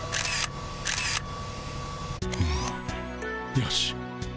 よし。